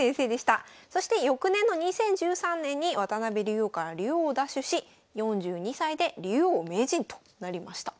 そして翌年の２０１３年に渡辺竜王から竜王を奪取し４２歳で竜王・名人となりました。